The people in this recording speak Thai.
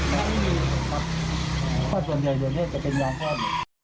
ส่วนใหญ่ส่วนใหญ่จะเป็นยางก้อน